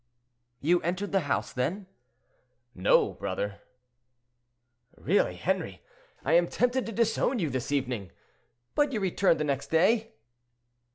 "You entered the house, then?" "No, brother." "Really, Henri, I am tempted to disown you this evening. But you returned the next day?"